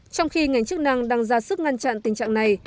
trong khi ngành chức năng đang ra sức ngăn chặn tình trạng này